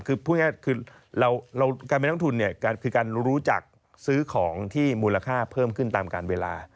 การเป็นนักลงทุนคือการรู้จักซื้อของที่มูลค่าเพิ่มขึ้นตามการเวลา